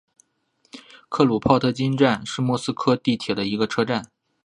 克鲁泡特金站是莫斯科地铁的一个车站。